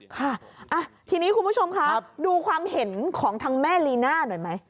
ค่ะทีนี้คุณผู้ชมคะดูความเห็นของทางแม่ลีน่าหน่อยไหม